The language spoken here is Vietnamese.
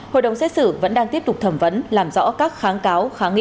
hội đồng xét xử vẫn đang tiếp tục thẩm vấn làm rõ các kháng cáo kháng nghị